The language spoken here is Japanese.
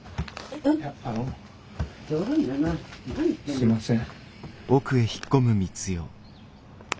すいません。